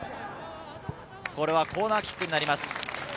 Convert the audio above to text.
これはコーナーキックになります。